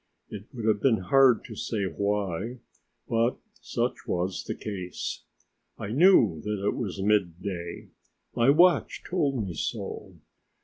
It would have been hard to say why, but such was the case. I knew that it was midday; my watch told me so.